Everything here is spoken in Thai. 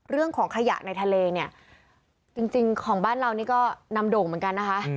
เรื่องของขยะในทะเลเนี่ยจริงของบ้านเรานี่ก็นำโด่งเหมือนกันนะคะ